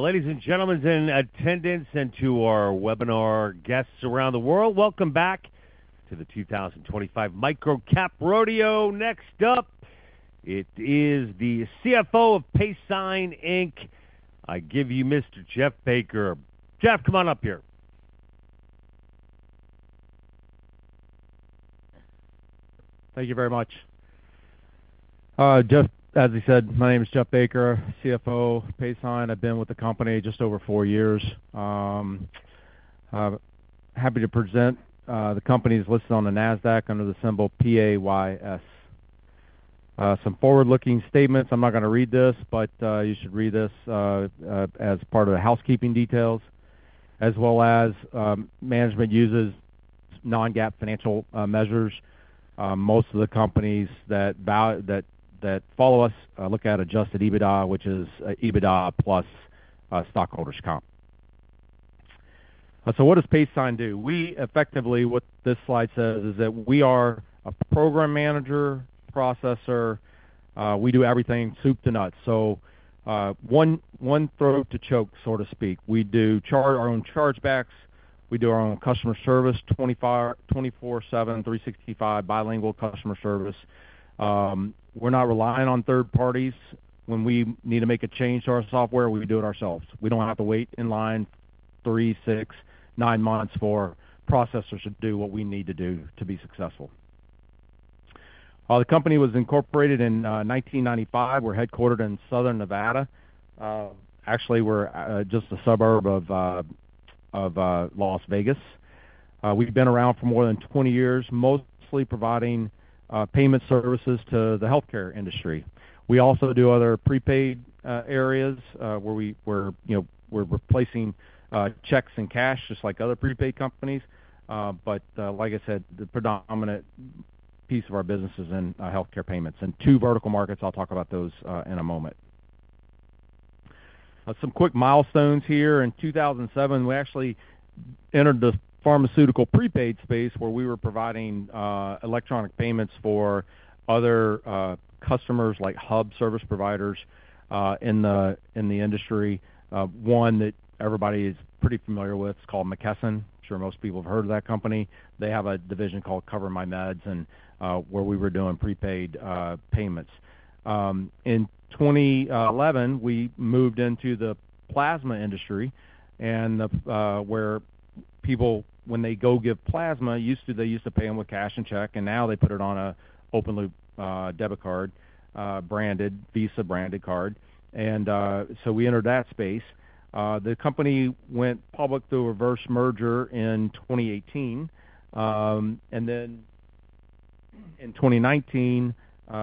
Ladies and gentlemen in attendance and to our webinar guests around the world, welcome back to the 2025 MicroCap Rodeo. Next up, it is the CFO of Paysign Inc. I give you Mr. Jeff Baker. Jeff, come on up here. Thank you very much. Jeff, as I said, my name is Jeff Baker, CFO of Paysign. I've been with the company just over four years. Happy to present, the company is listed on the NASDAQ under the symbol PAYS. Some forward-looking statements. I'm not gonna read this, but you should read this, as part of the housekeeping details, as well as, management uses non-GAAP financial measures. Most of the companies that follow us look at adjusted EBITDA, which is EBITDA plus stockholders' comp. So what does Paysign do? We effectively, what this slide says, is that we are a program manager, processor. We do everything soup to nuts. One throat to choke, so to speak. We do charge our own chargebacks. We do our own customer service, 24/7, 365 bilingual customer service. We're not relying on third parties. When we need to make a change to our software, we do it ourselves. We do not have to wait in line three, six, nine months for processors to do what we need to do to be successful. The company was incorporated in 1995. We are headquartered in Southern Nevada. Actually, we are just a suburb of Las Vegas. We have been around for more than 20 years, mostly providing payment services to the healthcare industry. We also do other prepaid areas, where, you know, we are replacing checks and cash just like other prepaid companies. Like I said, the predominant piece of our business is in healthcare payments and two vertical markets. I will talk about those in a moment. Some quick milestones here. In 2007, we actually entered the pharmaceutical prepaid space where we were providing electronic payments for other customers like hub service providers in the industry. One that everybody is pretty familiar with is called McKesson. I'm sure most people have heard of that company. They have a division called CoverMyMeds, where we were doing prepaid payments. In 2011, we moved into the plasma industry, where people, when they go give plasma, used to, they used to pay them with cash and check, and now they put it on an open-loop debit card, Visa branded card. We entered that space. The company went public through a reverse merger in 2018. In 2019,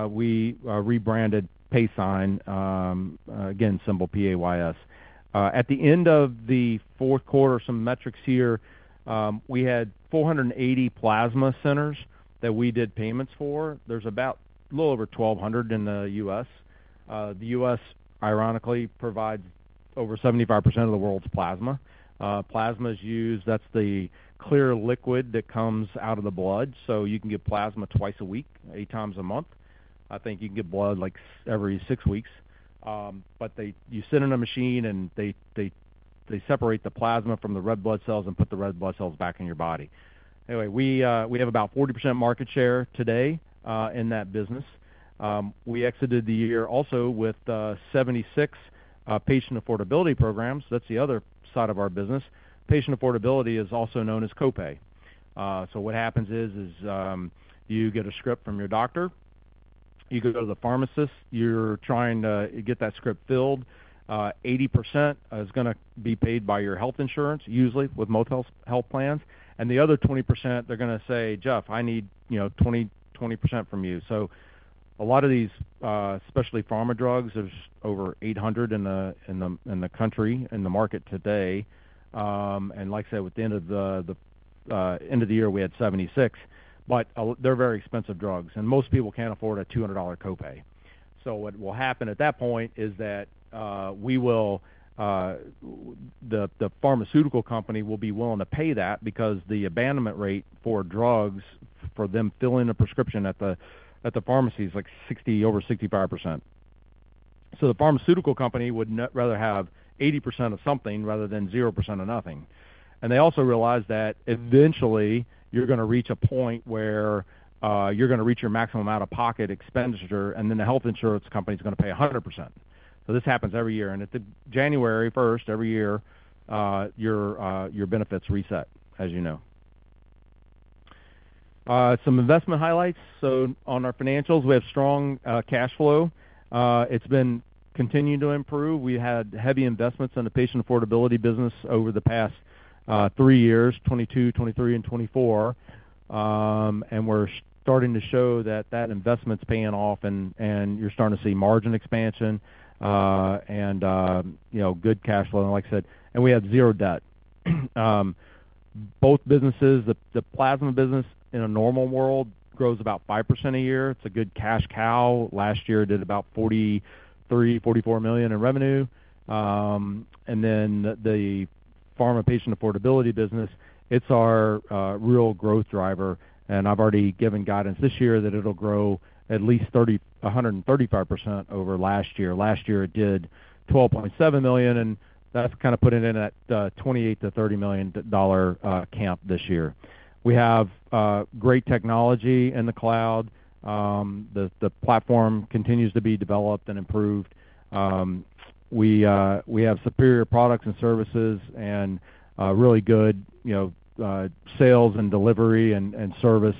we rebranded Paysign, again, symbol PAYS. At the end of the fourth quarter, some metrics here, we had 480 plasma centers that we did payments for. There's about a little over 1,200 in the U.S. The U.S., ironically, provides over 75% of the world's plasma. Plasma is used, that's the clear liquid that comes out of the blood. You can get plasma twice a week, eight times a month. I think you can get blood like every six weeks. You sit in a machine and they separate the plasma from the red blood cells and put the red blood cells back in your body. Anyway, we have about 40% market share today in that business. We exited the year also with 76 patient affordability programs. That's the other side of our business. Patient affordability is also known as copay. What happens is, you get a script from your doctor, you go to the pharmacist, you're trying to get that script filled. 80% is gonna be paid by your health insurance, usually with most health plans. The other 20%, they're gonna say, "Jeff, I need, you know, 20, 20% from you." A lot of these, especially pharma drugs, there's over 800 in the country, in the market today. Like I said, with the end of the year, we had 76, but they're very expensive drugs, and most people can't afford a $200 copay. What will happen at that point is that the pharmaceutical company will be willing to pay that because the abandonment rate for drugs for them filling a prescription at the pharmacy is like 60%-over 65%. The pharmaceutical company would rather have 80% of something rather than 0% of nothing. They also realize that eventually you're gonna reach a point where you're gonna reach your maximum out-of-pocket expenditure, and then the health insurance company's gonna pay 100%. This happens every year. At January 1st every year, your benefits reset, as you know. Some investment highlights. On our financials, we have strong cash flow. It's been continuing to improve. We had heavy investments in the patient affordability business over the past three years, 2022, 2023, and 2024, and we're starting to show that that investment's paying off and you're starting to see margin expansion, and, you know, good cash flow. Like I said, we have zero debt. Both businesses, the plasma business in a normal world grows about 5% a year. It's a good cash cow. Last year did about $43 million-$44 million in revenue. And then the pharma patient affordability business, it's our real growth driver. And I've already given guidance this year that it'll grow at least 135% over last year. Last year it did $12.7 million, and that's kind of putting it in at $28 million-$30 million camp this year. We have great technology in the cloud. The platform continues to be developed and improved. We have superior products and services and really good, you know, sales and delivery and service.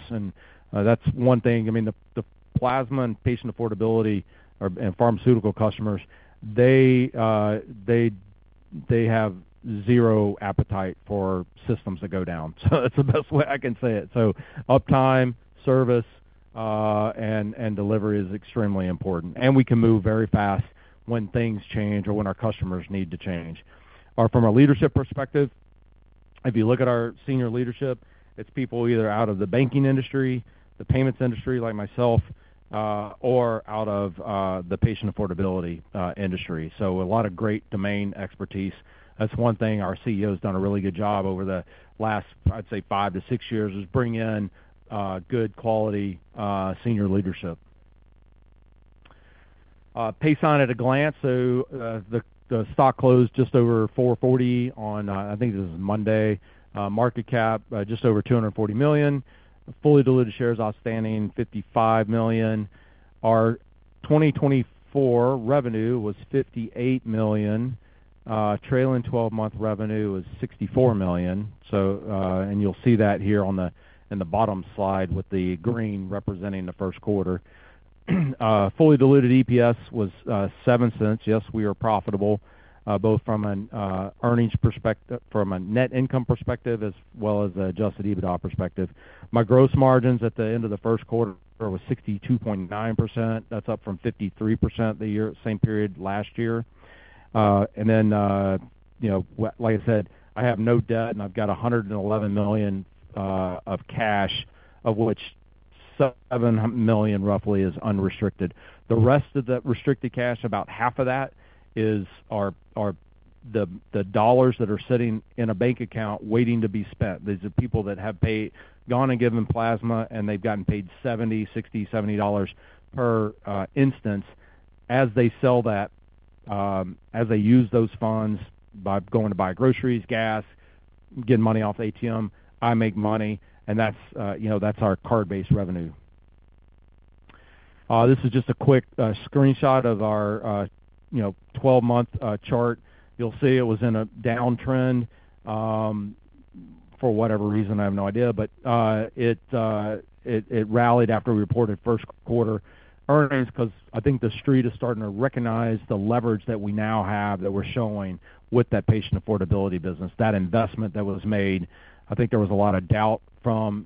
That's one thing. I mean, the plasma and patient affordability or pharmaceutical customers, they have zero appetite for systems to go down. That's the best way I can say it. Uptime, service, and delivery is extremely important. We can move very fast when things change or when our customers need to change. From a leadership perspective, if you look at our senior leadership, it's people either out of the banking industry, the payments industry like myself, or out of the patient affordability industry. So a lot of great domain expertise. That's one thing our CEO's done a really good job over the last, I'd say, five to six years is bring in good quality, senior leadership. Paysign at a glance. The stock closed just over $4.40 on, I think this is Monday. Market cap, just over $240 million. Fully diluted shares outstanding 55 million. Our 2024 revenue was $58 million. Trailing 12-month revenue was $64 million. You'll see that here on the, in the bottom slide with the green representing the first quarter. Fully diluted EPS was $0.07. Yes, we are profitable, both from an earnings perspective, from a net income perspective as well as an adjusted EBITDA perspective. My gross margins at the end of the first quarter was 62.9%. That's up from 53% the same period last year. You know, like I said, I have no debt and I've got $111 million of cash, of which $7 million roughly is unrestricted. The rest is restricted cash, about half of that is the dollars that are sitting in a bank account waiting to be spent. These are people that have paid, gone and given plasma, and they've gotten paid $60-$70 per instance as they use those funds by going to buy groceries, gas, getting money off ATM. I make money, and that's, you know, that's our card-based revenue. This is just a quick screenshot of our, you know, 12-month chart. You'll see it was in a downtrend, for whatever reason. I have no idea. It rallied after we reported first quarter earnings 'cause I think the street is starting to recognize the leverage that we now have that we're showing with that patient affordability business, that investment that was made. I think there was a lot of doubt from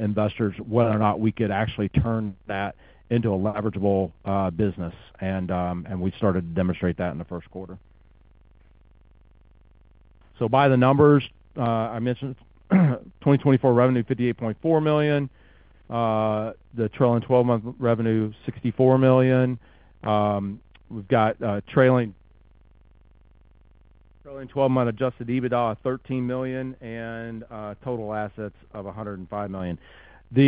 investors whether or not we could actually turn that into a leverageable business. We started to demonstrate that in the first quarter. By the numbers, I mentioned 2024 revenue $58.4 million. The trailing 12-month revenue $64 million. We've got trailing 12-month adjusted EBITDA of $13 million and total assets of $105 million.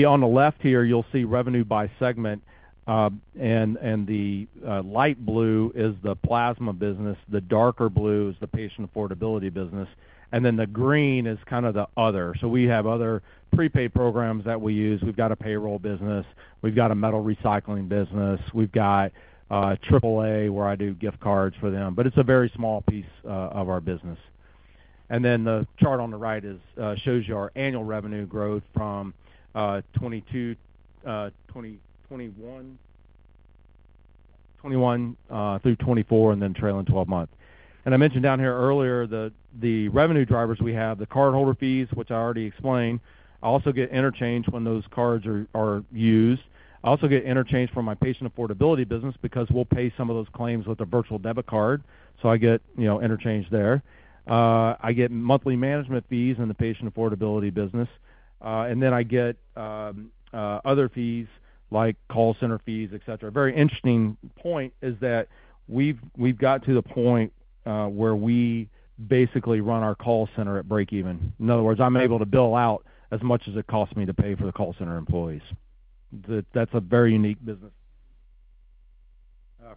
On the left here, you'll see revenue by segment, and the light blue is the plasma business. The darker blue is the patient affordability business. The green is kind of the other. We have other prepaid programs that we use. We've got a payroll business. We've got a metal recycling business. We've got AAA where I do gift cards for them. It's a very small piece of our business. The chart on the right shows you our annual revenue growth from 2022, 2021, 2021, through 2024, and then trailing 12 months. I mentioned down here earlier the revenue drivers we have, the cardholder fees, which I already explained. I also get interchange when those cards are used. I also get interchange from my patient affordability business because we'll pay some of those claims with a virtual debit card. I get interchange there. I get monthly management fees in the patient affordability business. and then I get other fees like call center fees, etc. Very interesting point is that we've got to the point where we basically run our call center at breakeven. In other words, I'm able to bill out as much as it costs me to pay for the call center employees. That that's a very unique business,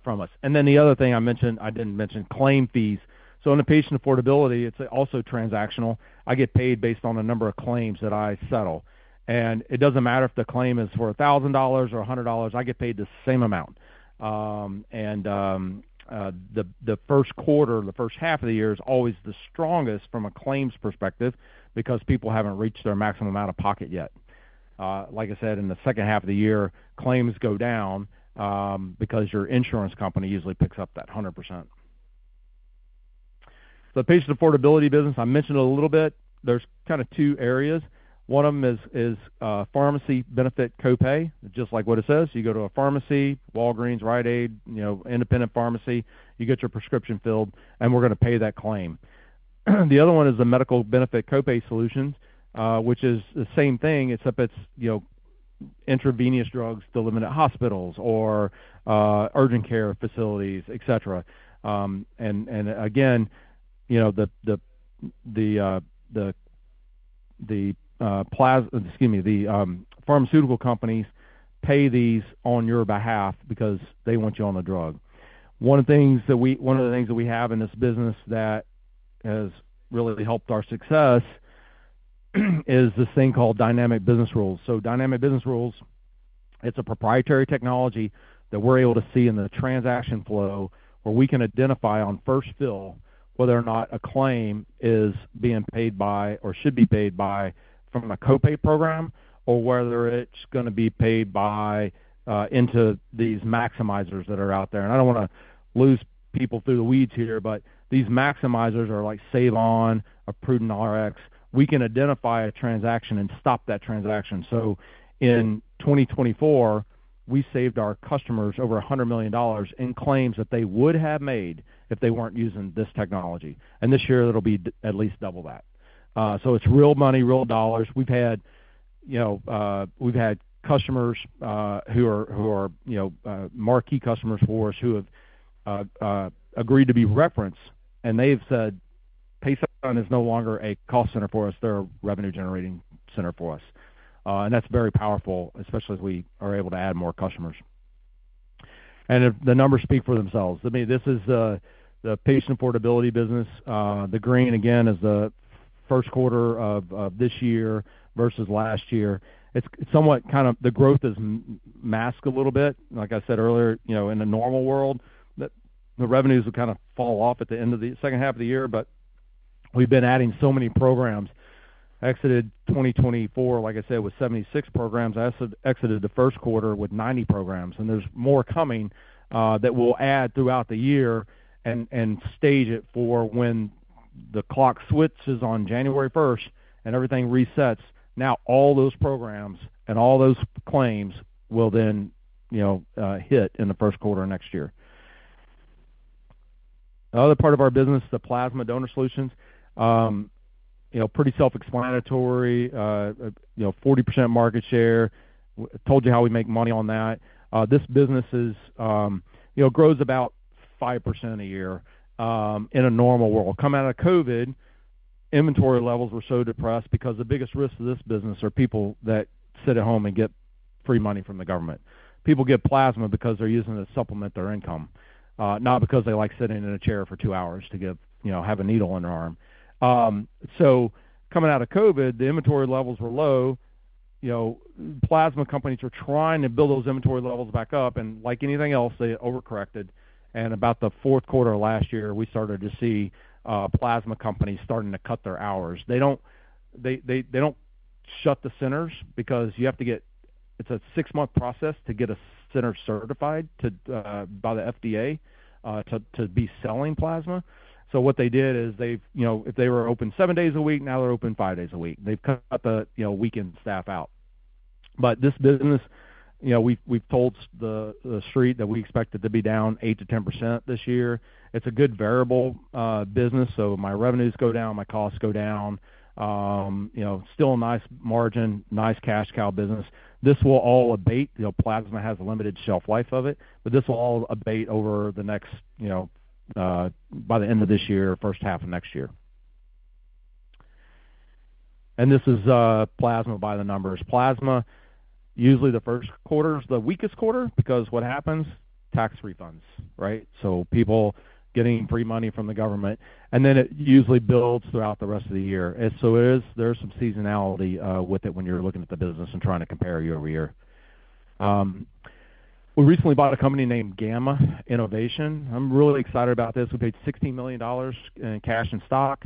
from us. And then the other thing I mentioned, I didn't mention claim fees. So in the patient affordability, it's also transactional. I get paid based on the number of claims that I settle. And it doesn't matter if the claim is for $1,000 or $100. I get paid the same amount. and, the, the first quarter, the first half of the year is always the strongest from a claims perspective because people haven't reached their maximum out-of-pocket yet. Like I said, in the second half of the year, claims go down, because your insurance company usually picks up that 100%. The patient affordability business, I mentioned it a little bit. There are kind of two areas. One of them is pharmacy benefit copay, just like what it says. You go to a pharmacy, Walgreens, Rite Aid, you know, independent pharmacy, you get your prescription filled, and we're gonna pay that claim. The other one is the medical benefit copay solutions, which is the same thing. It's if it's, you know, intravenous drugs delivered at hospitals or urgent care facilities, etc. Again, you know, the pharmaceutical companies pay these on your behalf because they want you on the drug. One of the things that we have in this business that has really helped our success is this thing called Dynamic Business Rules. Dynamic Business Rules, it's a proprietary technology that we're able to see in the transaction flow where we can identify on first fill whether or not a claim is being paid by or should be paid by from a copay program or whether it's gonna be paid by, into these maximizers that are out there. I don't wanna lose people through the weeds here, but these maximizers are like SaveOn, PrudentRx. We can identify a transaction and stop that transaction. In 2024, we saved our customers over $100 million in claims that they would have made if they weren't using this technology. This year, it'll be at least double that. It is real money, real dollars. We've had, you know, we've had customers who are, you know, marquee customers for us who have agreed to be referenced. And they've said, "Paysign, is no longer a call center for us. They're a revenue-generating center for us." That is very powerful, especially as we are able to add more customers. The numbers speak for themselves. I mean, this is the patient affordability business. The green again is the first quarter of this year versus last year. It's somewhat kind of the growth is masked a little bit. Like I said earlier, you know, in a normal world, the revenues would kind of fall off at the end of the second half of the year. We've been adding so many programs. Exited 2024, like I said, with 76 programs. I exited the first quarter with 90 programs. There's more coming, that we'll add throughout the year and stage it for when the clock switches on January 1 and everything resets. Now, all those programs and all those claims will then, you know, hit in the first quarter of next year. The other part of our business, the plasma donor solutions, you know, pretty self-explanatory. You know, 40% market share. Told you how we make money on that. This business is, you know, grows about 5% a year, in a normal world. Come out of COVID, inventory levels were so depressed because the biggest risk of this business are people that sit at home and get free money from the government. People get plasma because they're using it to supplement their income, not because they like sitting in a chair for two hours to give, you know, have a needle in their arm. Coming out of COVID, the inventory levels were low. You know, plasma companies were trying to build those inventory levels back up. Like anything else, they overcorrected. In about the fourth quarter of last year, we started to see plasma companies starting to cut their hours. They do not shut the centers because you have to get, it is a six-month process to get a center certified by the FDA to be selling plasma. What they did is, you know, if they were open seven days a week, now they are open five days a week. They have cut the weekend staff out. This business, you know, we have told the street that we expect it to be down 8%-10% this year. It is a good variable business. My revenues go down, my costs go down. You know, still a nice margin, nice cash cow business. This will all abate. You know, plasma has a limited shelf life of it, but this will all abate over the next, you know, by the end of this year, first half of next year. This is, plasma by the numbers. Plasma, usually the first quarter is the weakest quarter because what happens? Tax refunds, right? People getting free money from the government. It usually builds throughout the rest of the year. It is, there's some seasonality with it when you're looking at the business and trying to compare year-over-year. We recently bought a company named Gamma Innovation. I'm really excited about this. We paid $60 million in cash and stock,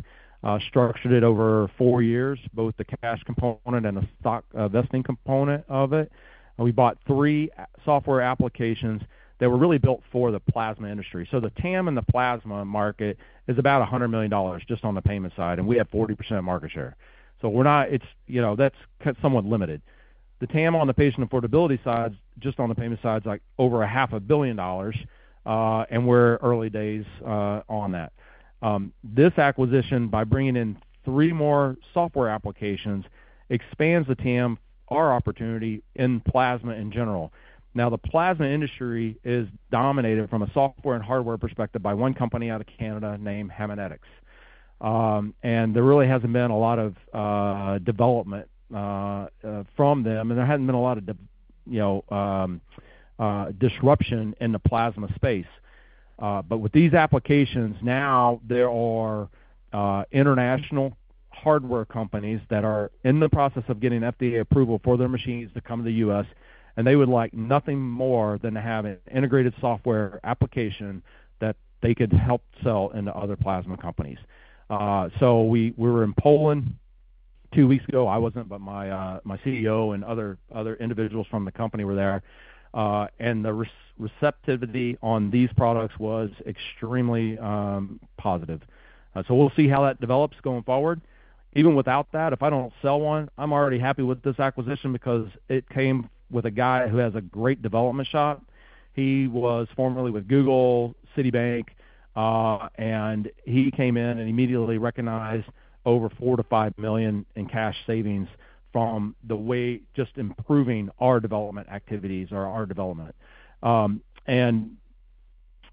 structured it over four years, both the cash component and the stock vesting component of it. We bought three software applications that were really built for the plasma industry. The TAM in the plasma market is about $100 million just on the payment side. We have 40% market share. It's, you know, that's kind of somewhat limited. The TAM on the patient affordability side, just on the payment side, is like over $500 million, and we're early days on that. This acquisition, by bringing in three more software applications, expands the TAM, our opportunity in plasma in general. The plasma industry is dominated from a software and hardware perspective by one company out of Canada named Haemonetics, and there really hasn't been a lot of development from them. There hasn't been a lot of, you know, disruption in the plasma space. But with these applications now, there are international hardware companies that are in the process of getting FDA approval for their machines to come to the U.S. They would like nothing more than to have an integrated software application that they could help sell into other plasma companies. We were in Poland two weeks ago. I wasn't, but my CEO and other individuals from the company were there. The receptivity on these products was extremely positive. We'll see how that develops going forward. Even without that, if I don't sell one, I'm already happy with this acquisition because it came with a guy who has a great development shop. He was formerly with Google, Citibank, and he came in and immediately recognized over $4 million-$5 million in cash savings from just improving our development activities or our development.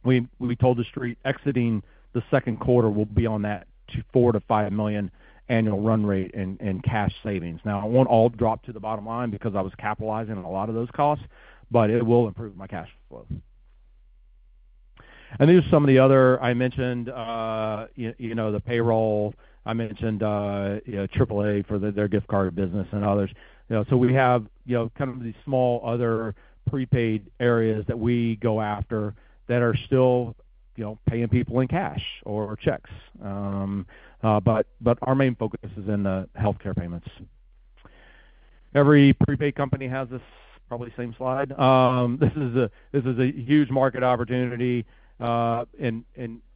We told the street exiting the second quarter we will be on that $4 million-$5 million annual run rate in cash savings. Now, it will not all drop to the bottom line because I was capitalizing on a lot of those costs, but it will improve my cash flow. These are some of the other, I mentioned, you know, the payroll. I mentioned, you know, AAA for their gift card business and others. We have kind of these small other prepaid areas that we go after that are still paying people in cash or checks. Our main focus is in the healthcare payments. Every prepaid company has this probably same slide. This is a huge market opportunity. And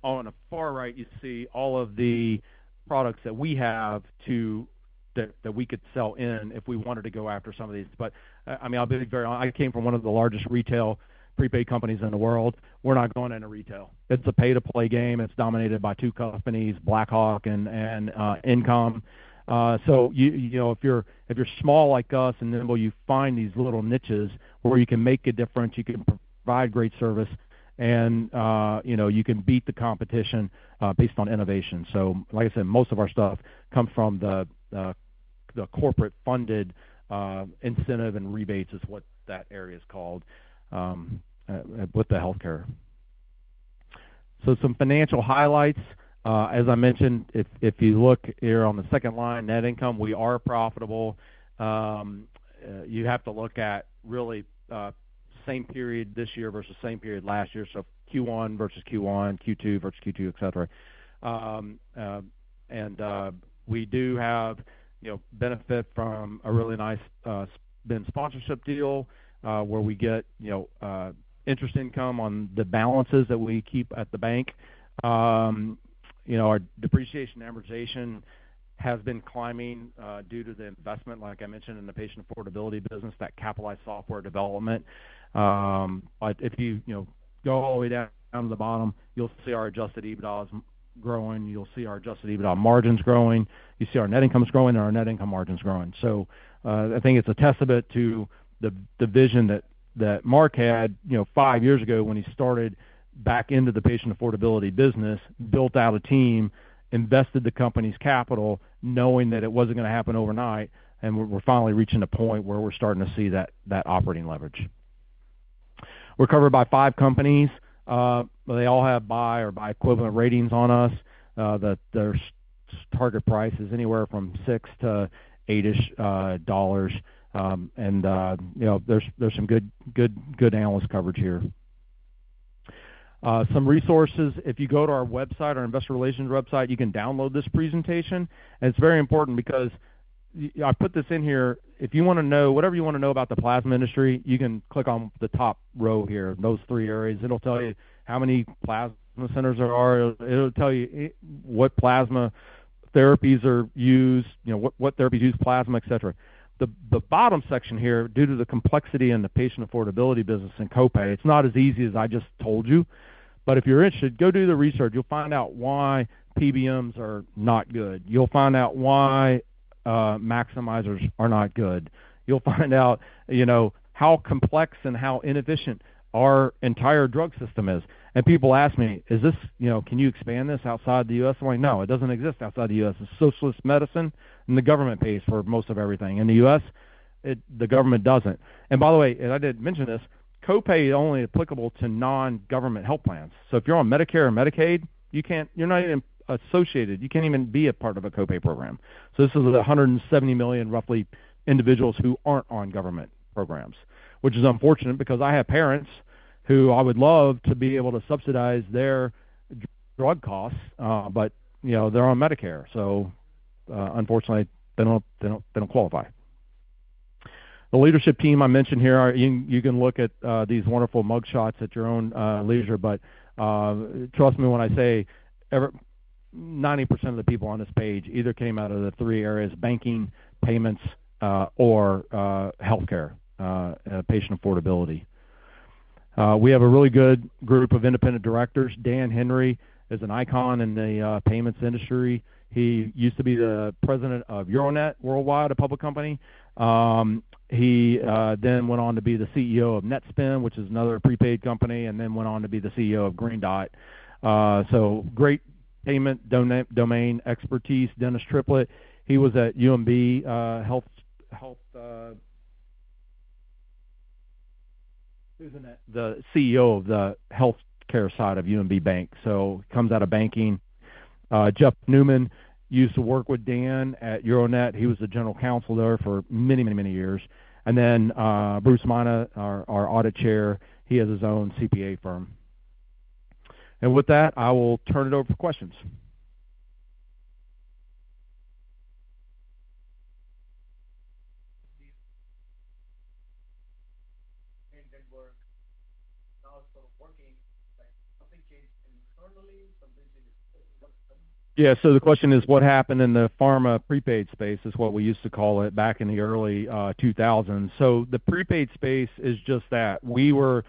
on the far right, you see all of the products that we have that we could sell if we wanted to go after some of these. I mean, I'll be very honest. I came from one of the largest retail prepaid companies in the world. We're not going into retail. It's a pay-to-play game. It's dominated by two companies, Blackhawk and InComm. You know, if you're small like us, then you find these little niches where you can make a difference, you can provide great service, and you can beat the competition based on innovation. Like I said, most of our stuff comes from the corporate-funded incentive and rebates, is what that area is called, with the healthcare. Some financial highlights. As I mentioned, if you look here on the second line, net income, we are profitable. You have to look at really, same period this year versus same period last year. So Q1 versus Q1, Q2 versus Q2, etc. And we do have, you know, benefit from a really nice, sponsorship deal, where we get, you know, interest income on the balances that we keep at the bank. You know, our depreciation amortization has been climbing, due to the investment, like I mentioned, in the patient affordability business, that capitalized software development. But if you, you know, go all the way down to the bottom, you'll see our adjusted EBITDA is growing. You'll see our adjusted EBITDA margins growing. You see our net income is growing and our net income margin is growing. I think it's a testament to the vision that Mark had, you know, five years ago when he started back into the patient affordability business, built out a team, invested the company's capital knowing that it wasn't gonna happen overnight. We're finally reaching a point where we're starting to see that operating leverage. We're covered by five companies. They all have buy or buy equivalent ratings on us. Their target price is anywhere from $6-$8. You know, there's some good analyst coverage here, some resources. If you go to our website, our investor relations website, you can download this presentation. It's very important because I put this in here. If you wanna know whatever you wanna know about the plasma industry, you can click on the top row here, those three areas. It'll tell you how many plasma centers there are. It'll tell you what plasma therapies are used, you know, what therapies use plasma, etc. The bottom section here, due to the complexity in the patient affordability business and copay, it's not as easy as I just told you. If you're interested, go do the research. You'll find out why PBMs are not good. You'll find out why maximizers are not good. You'll find out, you know, how complex and how inefficient our entire drug system is. People ask me, "Is this, you know, can you expand this outside the U.S.?" I'm like, "No, it doesn't exist outside the U.S. It's socialist medicine, and the government pays for most of everything. In the U.S., the government doesn't." By the way, and I did mention this, copay is only applicable to non-government health plans. If you're on Medicare or Medicaid, you can't, you're not even associated. You can't even be a part of a copay program. This is the 170 million, roughly, individuals who aren't on government programs, which is unfortunate because I have parents who I would love to be able to subsidize their drug costs, but, you know, they're on Medicare. Unfortunately, they don't, they don't qualify. The leadership team I mentioned here are, you can look at these wonderful mug shots at your own leisure. Trust me when I say 90% of the people on this page either came out of the three areas: banking, payments, or healthcare, patient affordability. We have a really good group of independent directors. Dan Henry is an icon in the payments industry. He used to be the president of Euronet Worldwide, a public company. He then went on to be the CEO of Netspend, which is another prepaid company, and then went on to be the CEO of Green Dot. Great payment domain expertise. Dennis Triplett, he was at UMB Health, he was the CEO of the healthcare side of UMB Bank. He comes out of banking. Jeff Newman used to work with Dan at Euronet. He was the general counsel there for many years. Bruce Mina, our audit chair, has his own CPA firm. With that, I will turn it over for questions. We're now sort of working, like something changed internally? Yeah. The question is, what happened in the pharma prepaid space is what we used to call it back in the early 2000s. The prepaid space is just that. We were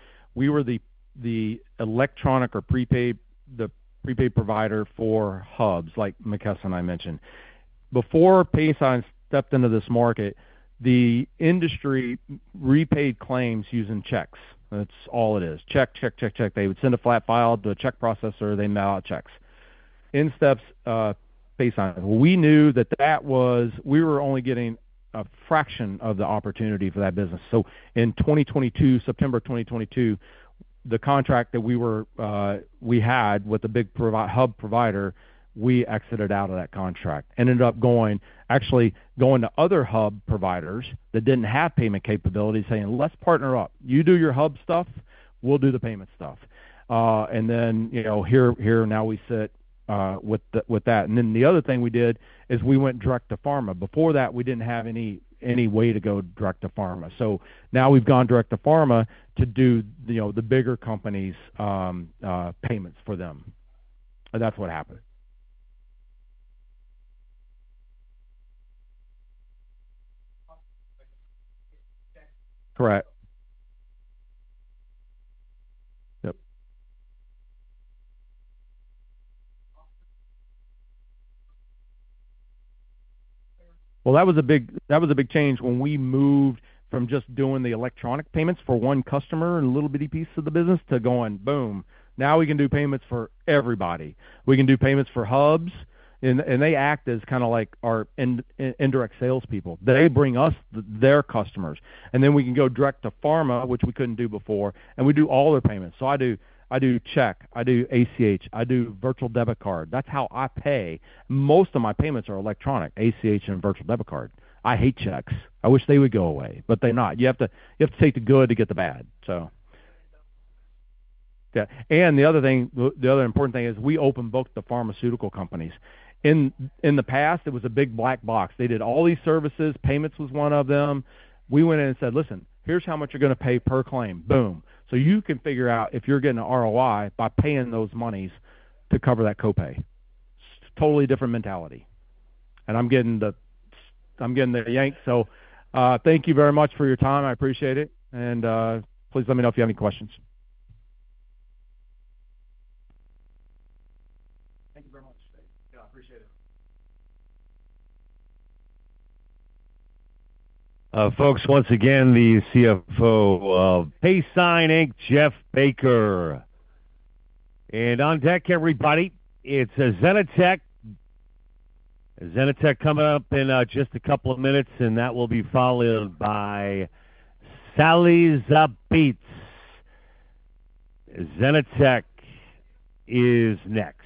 the electronic or prepaid, the prepaid provider for hubs, like McKesson I mentioned. Before Paysign stepped into this market, the industry repaid claims using checks. That's all it is. Check, check, check, check. They would send a flat file to a check processor. They mail out checks. In steps Paysign. We knew that we were only getting a fraction of the opportunity for that business. In 2022, September 2022, the contract that we had with the big hub provider, we exited out of that contract and ended up actually going to other hub providers that did not have payment capabilities, saying, "Let's partner up. You do your hub stuff. We'll do the payment stuff." And then, you know, here, here now we sit, with that. The other thing we did is we went direct to pharma. Before that, we didn't have any way to go direct to pharma. Now we've gone direct to pharma to do, you know, the bigger companies, payments for them. That's what happened. Correct. Yep. That was a big change when we moved from just doing the electronic payments for one customer and little bitty pieces of the business to going, boom, now we can do payments for everybody. We can do payments for hubs, and they act as kind of like our indirect salespeople. They bring us their customers, and then we can go direct to pharma, which we could not do before. We do all their payments. I do check, I do ACH, I do virtual debit card. That is how I pay. Most of my payments are electronic, ACH and virtual debit card. I hate checks. I wish they would go away, but they are not. You have to take the good to get the bad, so. Yeah. The other important thing is we open booked the pharmaceutical companies. In the past, it was a big black box. They did all these services. Payments was one of them. We went in and said, "Listen, here's how much you're gonna pay per claim." Boom. You can figure out if you're getting an ROI by paying those monies to cover that copay. Totally different mentality. I'm getting the yank. Thank you very much for your time. I appreciate it. Please let me know if you have any questions. Thank you very much. Yeah, appreciate it. Folks, once again, the CFO of Paysign, Jeff Baker. On deck, everybody, it's ZenaTech coming up in just a couple of minutes. That will be followed by Sally's Apizza. ZenaTech is next.